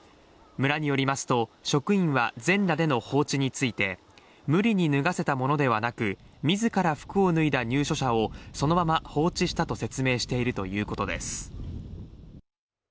村によりますと職員は全裸での放置について無理に脱がせたものではなく自ら服を脱いだ入所者そのまま放置したと説明しているということです